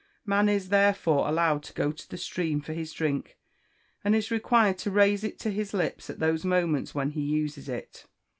Man is, therefore, allowed to go to the stream for his drink, and is required to raise it to his lips at those moments when he uses it.